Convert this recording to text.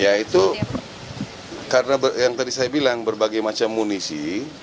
ya itu karena yang tadi saya bilang berbagai macam munisi